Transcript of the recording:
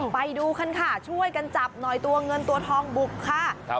ไปดูกันค่ะช่วยกันจับหน่อยตัวเงินตัวทองบุกค่ะ